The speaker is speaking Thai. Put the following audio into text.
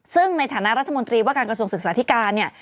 ซึ่งในฐานะรัฐมนตรีว่าการกระทรวงศึกษาธิการเนี่ย